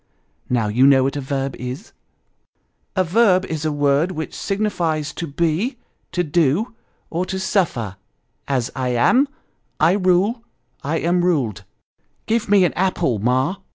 " Now, you know what a verb is ?"" A verb is a word which signifies to be, to do, or to suffer ; as, I am I rule I am ruled. Give me an apple, Ma."